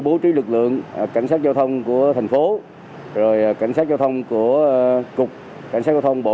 bố trí lực lượng cảnh sát giao thông của thành phố rồi cảnh sát giao thông của cục cảnh sát giao thông bộ